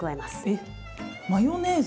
えっマヨネーズ？